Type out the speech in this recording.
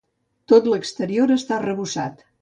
Tot l'exterior està arrebossat.